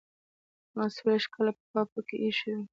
ما څلوېښت کاله پخوا پکې ایښې وې.